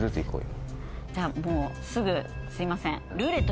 じゃあもうすみません。